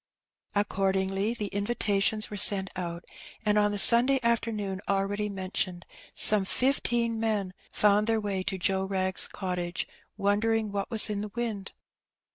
Accordingly the invitations were sent out, and on the Sun day afternoon already mentioned some fifteen men found their way to Joe Wrag's cottage, wondering what was in the wind.